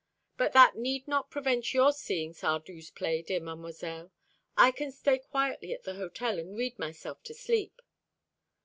But that need not prevent your seeing Sardou's play, dear Mademoiselle. I can stay quietly at the hotel, and read myself to sleep."